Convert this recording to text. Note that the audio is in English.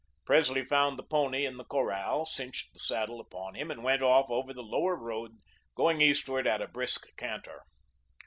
Presley found the pony in the corral, cinched the saddle upon him, and went off over the Lower Road, going eastward at a brisk canter.